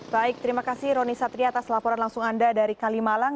baik terima kasih roni satri atas laporan langsung anda dari kalimalang